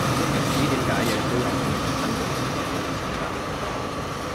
唔知點解日日都有見到新句子個數字增加